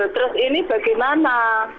terus ini bagaimana